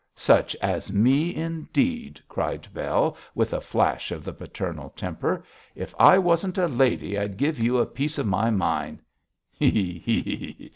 'Such as me indeed!' cried Bell, with a flash of the paternal temper. 'If I wasn't a lady I'd give you a piece of my mind.' 'He! he!'